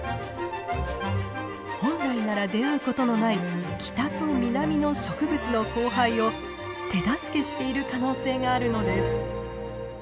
本来なら出会うことのない北と南の植物の交配を手助けしている可能性があるのです。